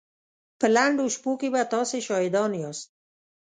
په لنډو شپو کې به تاسې شاهدان ياست.